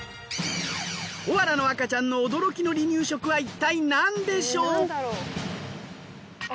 コアラの赤ちゃんの驚きの離乳食はいったい何でしょう？